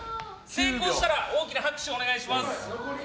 成功したら大きな拍手をお願いします。